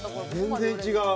全然違う。